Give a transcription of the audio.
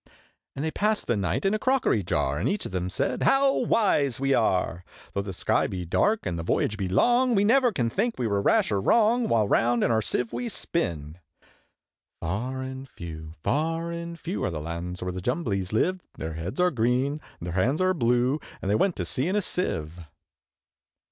And they passed the night in a crockery jar, And each of them said, `How wise we are! Though the sky be dark, and the voyage be long, Yet we never can think we were rash or wrong, While round in our Sieve we spin!' Far and few, far and few, Are the lands where the Jumblies live; Their heads are green, and their hands are blue, And they went to sea in a Sieve.